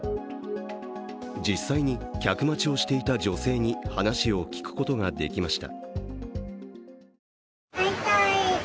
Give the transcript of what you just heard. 実際に客待ちをしていた女性に話を聞くことができました。